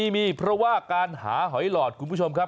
มีเพราะว่าการหาหอยหลอดคุณผู้ชมครับ